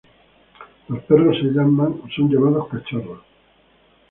Los perros son llamados "cachorros".